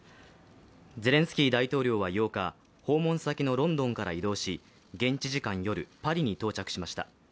ゼレンスキー大統領は８日、訪問先のロンドンから移動し、現地時間夜、パリに到着しました。